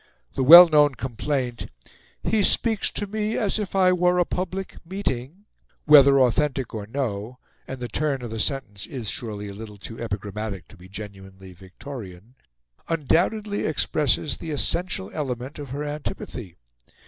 The well known complaint "He speaks to me as if I were a public meeting " whether authentic or no and the turn of the sentence is surely a little too epigrammatic to be genuinely Victorian undoubtedly expresses the essential element of her antipathy.